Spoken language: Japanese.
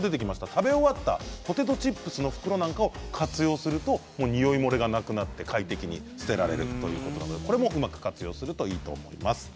食べ終わったポテトチップスの袋なんかを活用するとにおい漏れがなくなって快適に捨てられるということでこれもうまく活用するといいと思います。